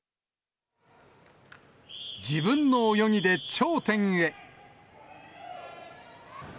自分の泳ぎで頂点へ。